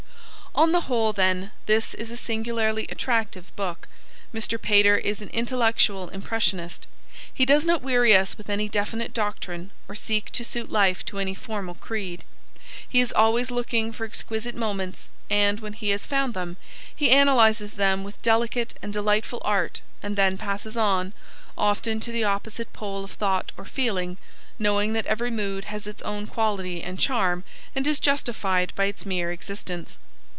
On the whole, then, this is a singularly attractive book. Mr. Pater is an intellectual impressionist. He does not weary us with any definite doctrine or seek to suit life to any formal creed. He is always looking for exquisite moments and, when he has found them, he analyses them with delicate and delightful art and then passes on, often to the opposite pole of thought or feeling, knowing that every mood has its own quality and charm and is justified by its mere existence.